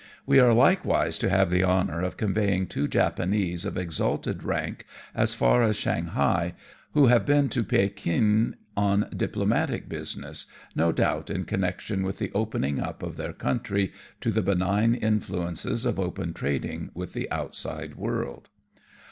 We are likewise to have the honour of conveying two Japanese of exalted rank as far as Shanghai, who have been to Pekin on diplomatic business, no doubt in connection' with the opening up of their country to the benign influences of open trading with the outside world.